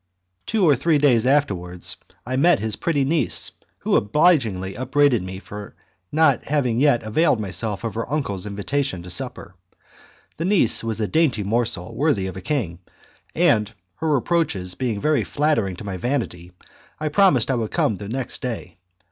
Two or three days afterwards I met his pretty niece, who obligingly upbraided me for not having yet availed myself of her uncle's invitation to supper; the niece was a dainty morsel worthy of a king, and, her reproaches being very flattering to my vanity I promised I would come the next day.